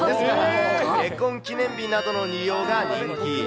結婚記念日などの利用が人気。